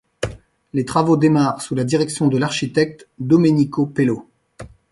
Les travaux démarrent sous la direction de l'architecte Domenico Pelo.